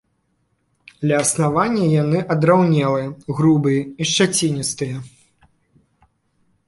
Ля аснавання яны адраўнелыя, грубыя і шчаціністыя.